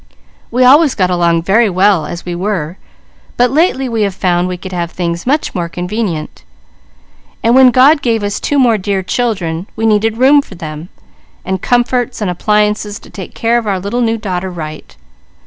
"We always got along very well as we were, but lately, we have found we could have things much more convenient, and when God gave us two more dear children, we needed room for them, and comforts and appliances to take care of our little new daughter right.